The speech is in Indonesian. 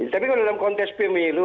tapi kalau dalam konteks pemilu